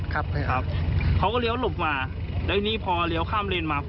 ครับใช่ครับเขาก็เลี้ยวหลบมาแล้วทีนี้พอเลี้ยวข้ามเลนมา